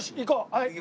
はい。